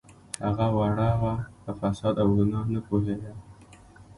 هغه وړه وه په فساد او ګناه نه پوهیده